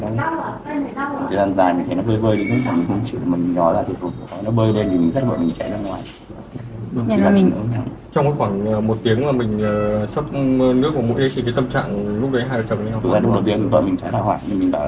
phòng anh rộng không ạ